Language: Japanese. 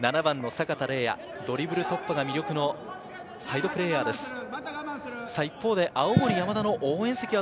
７番の阪田澪哉、ドリブル突破が魅力のサイドプレーヤーです。